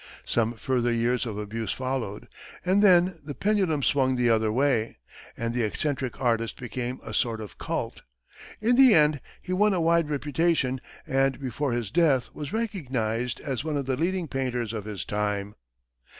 Some further years of abuse followed, and then the pendulum swung the other way, and the eccentric artist became a sort of cult. In the end, he won a wide reputation, and before his death was recognized as one of the leading painters of his time.